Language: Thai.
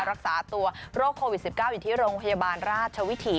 รักษาตัวโรคโควิด๑๙อยู่ที่โรงพยาบาลราชวิถี